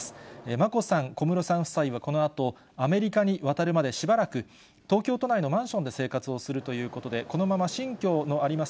眞子さん、小室さん夫妻はこのあと、アメリカに渡るまでしばらく、東京都内のマンションで生活をするということで、このまま新居のあります